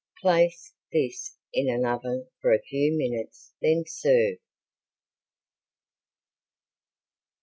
Place this in an oven for a few minutes then serve.